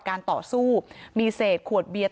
ต่อสู้มีเศษขวดเบียร์